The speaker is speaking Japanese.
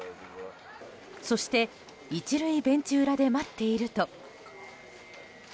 そして、１塁ベンチ裏で待っていると。